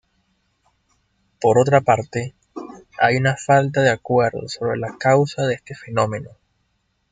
Por otra parte, hay una falta de acuerdo sobre la causa de este fenómeno.